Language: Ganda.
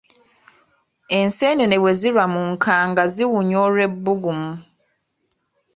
Enseenene bwe zirwa mu nkanga ziwunya olw’ebbugumu.